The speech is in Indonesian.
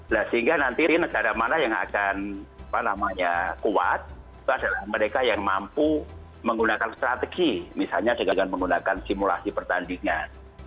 nah sehingga nanti negara mana yang akan kuat itu adalah mereka yang mampu menggunakan strategi misalnya dengan menggunakan simulasi pertandingan